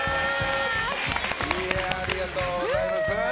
ありがとうございます。